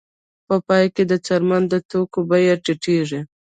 په پایله کې د څرمن د توکو بیه ټیټېږي